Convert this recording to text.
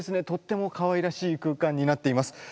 とってもかわいらしい空間になっています。